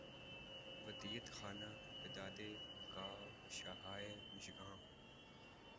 ودیعت خانۂ بیدادِ کاوشہائے مژگاں ہوں